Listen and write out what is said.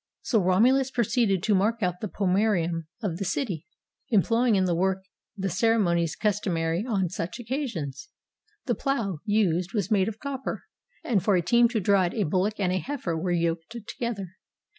So Romulus proceeded to mark out the pomcerium of the city, employing in the work the ceremonies custom ary on such occasions. The plough used was made of copper, and for a team to draw it a bullock and a heifer were yoked together.